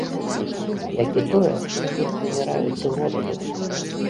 Як і тое, што тут паміраюць з голаду.